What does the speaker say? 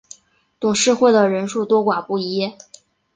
董事会的人数多寡不一。